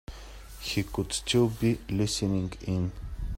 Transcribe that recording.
He could still be listening in.